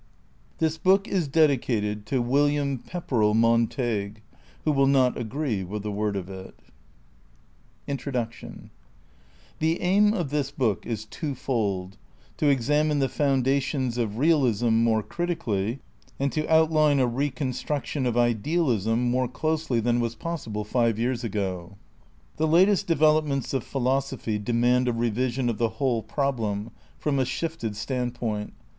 This Book IS Dedicated to WILLIAM PEPPBEELL MONTAGUE WHO WILL NOT A6EEE WITH A WORD OF IT INTRODUCTION The aim of this book is twofold: to examine the foundations of realism more critically, and to outline a reconstruction of idealism more closely than was possible five years ago. The latest developments of philosophy demand a revision of the whole problem, from a shifted standpoint.